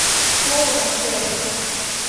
Колымо шуэш.